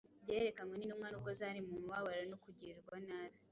byerekanywe n’intumwa nubwo zari mu mubabaro no kugirirwa nabi